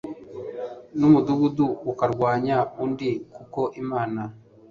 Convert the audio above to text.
n umudugudu ukarwanya undi kuko Imana